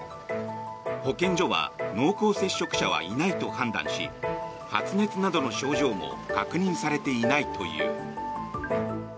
保健所は濃厚接触者はいないと判断し発熱などの症状も確認されていないという。